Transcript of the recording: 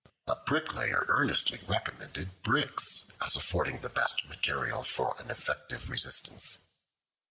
A Bricklayer earnestly recommended bricks as affording the best material for an effective resistance.